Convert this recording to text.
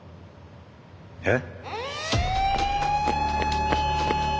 えっ！？